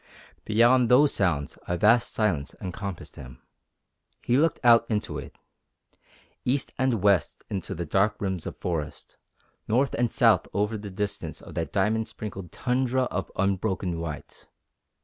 Beyond those sounds a vast silence encompassed him. He looked out into it, east and west to the dark rims of forest, north and south over the distance of that diamond sprinkled tundra of unbroken white.